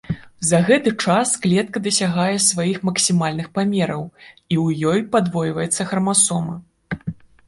За гэты час клетка дасягае сваіх максімальных памераў, і ў ёй падвойваецца храмасома.